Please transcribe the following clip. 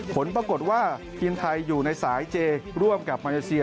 ผลปรากฏว่าทีมไทยอยู่ในสายเจร่วมกับมาเลเซีย